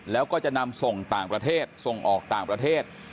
แล้วก็จะนำส่งต่างประเทศส่งออกต่างประเทศ